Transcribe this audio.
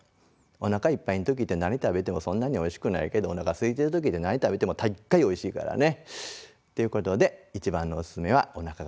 おなかいっぱいのときって何食べてもそんなにおいしくないけどおなかすいてるときって何食べてもたいがいおいしいからね。ということでいちばんのおすすめはおなかがすいていること。